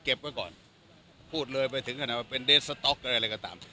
ก่อนพูดเลยไปถึงขนาดว่าเป็นเดสสต๊อกอะไรก็ตาม